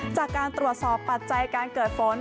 จากการตรวจสอบปัจจัยการเกิดฝน